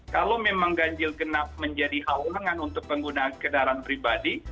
kalau memang ganjil genap menjadi halangan untuk pengguna kendaraan pribadi